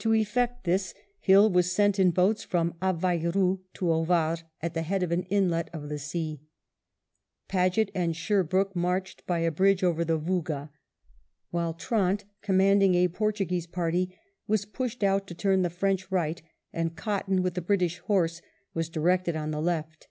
To effect this Hill was sent in boats from Aveiro to Ovar at the head of an inlet of the sea ; Paget and Sherbrooke marched by the bridge over the Vouga ; while Trant, commanding a Portuguese party, was pushed out to turn the French right, and Cotton with the British horse was directed on the left.